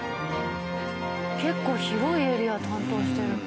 結構広いエリア担当してる。